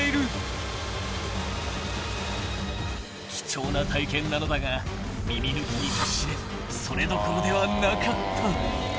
［貴重な体験なのだが耳抜きに必死でそれどころではなかった］